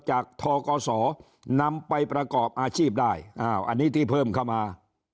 ทกศนำไปประกอบอาชีพได้อันนี้ที่เพิ่มเข้ามา